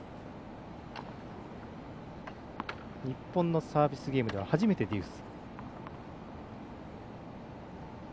日本のサービスゲームでは初めてデュース。